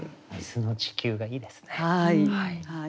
「水の地球」がいいですね。